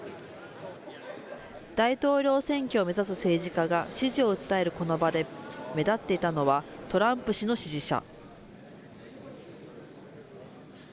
大統領選挙を目指す政治家が支持を訴えるこの場で、目立っていたのはトランプ氏の支持者。